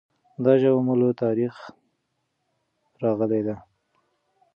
دا ژبه مو له تاریخه راغلي ده.